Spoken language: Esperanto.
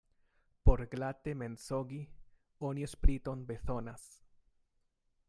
Por glate mensogi, oni spriton bezonas.